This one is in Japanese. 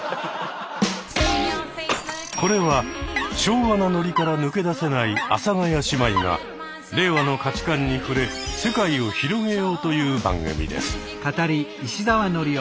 これは昭和のノリから抜け出せない阿佐ヶ谷姉妹が令和の価値観に触れ世界を広げようという番組です。